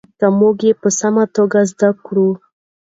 که موږ یې په سمه توګه زده کړو.